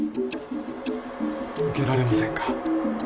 受けられませんか？